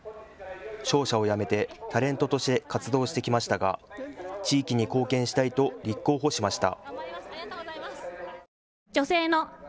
商社を辞めて、タレントとして活動してきましたが地域に貢献したいと立候補しました。